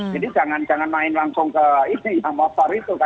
jadi jangan jangan main langsung ke ini yang motor itu